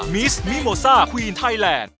มิสมิโมซ่าควีนไทยแลนด์